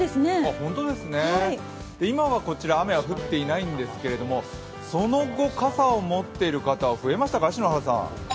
本当ですね、今はこちら雨は降っていないんですがその後、傘を持っている方は増えましたか？